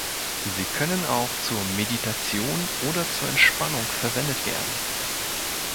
Sie können auch zur Meditation oder zur Entspannung verwendet werden.